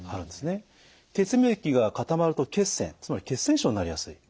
血液が固まると血栓つまり血栓症になりやすい。